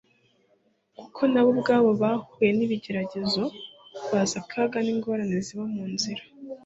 Kuko nabo ubwabo bahuye n'ibigeragezo, bazi akaga n'ingorane ziba mu nzira,